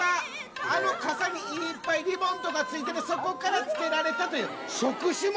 あの笠にいっぱいリボンとか付いてるそこから付けられたという。